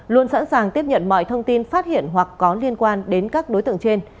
luôn sẵn sàng tiếp nhận mọi thông tin phát hiện hoặc có liên quan đến các đối tượng trên